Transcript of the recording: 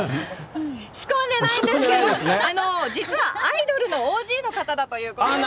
仕込んでないんですけど、実はアイドルのＯＧの方だということで。